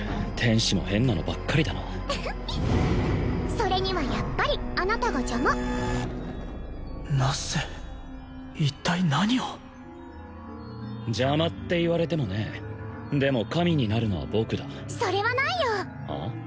それにはやっぱりあなたが邪魔ナッセ一体何を邪魔って言われてもねでも神になるのは僕だそれはないよああ？